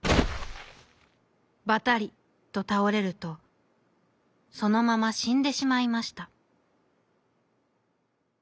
バタリとたおれるとそのまましんでしまいました。